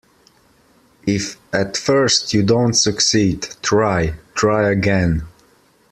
If at first you don't succeed, try, try again.